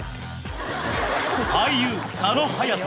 俳優佐野勇斗